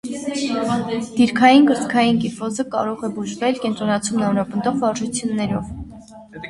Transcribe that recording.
Դիրքային կրծքային կիֆոզը կարող է բուժվել կենտրոնացումն ամրապնդող վարժություններով։